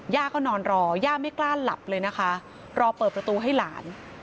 ย่าก็นอนรอย่าไม่กล้าหลับเลยนะคะรอเปิดประตูให้หลาน